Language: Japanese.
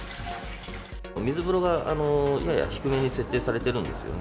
水風呂がやや低めに設定されてるんですよね。